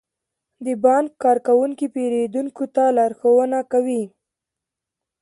د بانک کارکونکي پیرودونکو ته لارښوونه کوي.